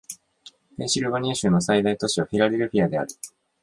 ペンシルベニア州の最大都市はフィラデルフィアである